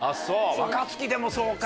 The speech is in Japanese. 若槻でもそうか。